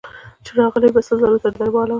چي راغلې به سل ځله تر دربار وه